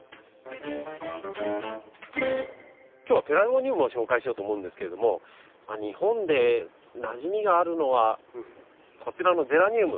今日はペラルゴニウムを紹介しようと思うんですけれども日本でなじみがあるのはこちらのゼラニウム。